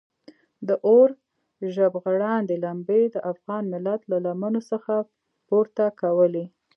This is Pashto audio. د اور ژبغړاندې لمبې د افغان ملت له لمنو څخه پورته کولې.